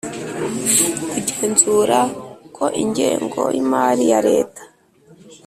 Kugenzura ko ingengo y imari ya leta